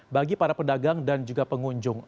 bagi para pedagang dan juga pengunjung